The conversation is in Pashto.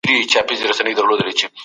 سل خوشحاله